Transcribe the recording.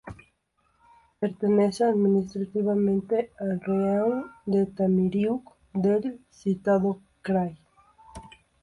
Pertenece administrativamente al raión de Temriuk del citado krai.